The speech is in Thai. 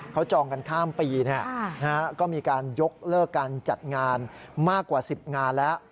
เขาจองกันข้ามปีก็มีการยกเลิกการจัดงานมากกว่า๑๐งานแล้ว